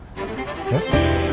えっ？